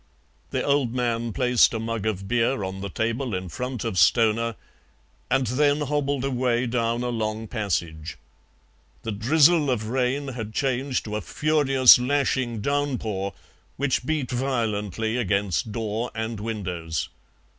The old man placed a mug of beer on the table in front of Stoner and then hobbled away down a long passage. The drizzle of rain had changed to a furious lashing downpour, which beat violently against door and windows.